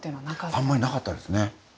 あんまりなかったですね。